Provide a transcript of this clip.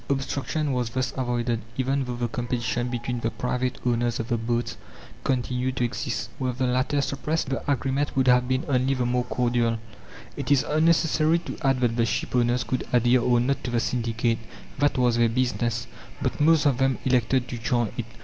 Obstruction was thus avoided, even though the competition between the private owners of the boats continued to exist. Were the latter suppressed, the agreement would have been only the more cordial. It is unnecessary to add that the shipowners could adhere or not to the syndicate. That was their business, but most of them elected to join it.